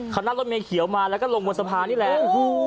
เขานั่งรถเมเขียวมาแล้วก็ลงบนสะพานนี่แหละ